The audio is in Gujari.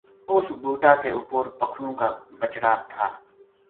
اس بوٹا کے اپر پکھنو کا بچڑا تھا